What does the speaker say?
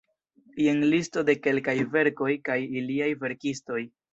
Jen listo de kelkaj verkoj kaj iliaj verkistoj.